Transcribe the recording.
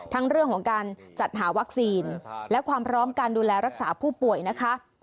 ทั้งเรื่องของการจัดหาวัคซีนและความพร้อมการดูแลรักษาผู้ป่วยนะคะ